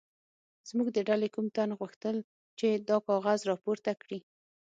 زموږ د ډلې کوم تن غوښتل چې دا کاغذ راپورته کړي.